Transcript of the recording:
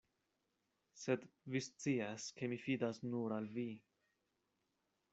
Sed vi scias, ke mi fidas nur al vi.